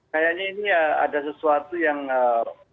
kayaknya ini ya ada sesuatu yang